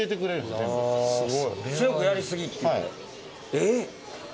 えっ？